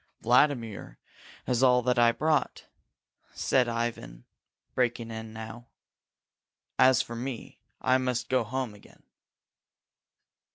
"Vladimir has all that I brought," said Ivan, breaking in now. "As for me, I must go again."